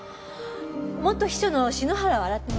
元秘書の篠原を洗ってもらいます。